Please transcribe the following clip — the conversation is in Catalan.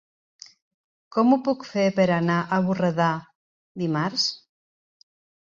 Com ho puc fer per anar a Borredà dimarts?